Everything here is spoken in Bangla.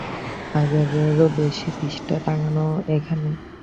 হাজারেও বেশি পৃষ্ঠা টাঙানো এখানে!